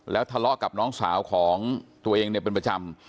ทะเลาะกับน้องสาวของตัวเองเนี่ยเป็นประจำ